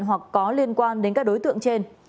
hoặc có liên quan đến các đối tượng trên